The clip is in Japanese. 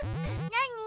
なに？